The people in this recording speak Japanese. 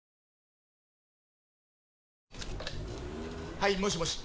はいもしもし？